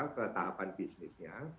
ke tahapan bisnisnya